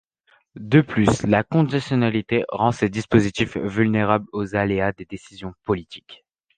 De plus, la conditionnalité rend ces dispositifs vulnérables aux aléas des décisions politiques.